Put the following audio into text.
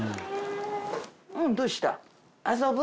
うんどうした？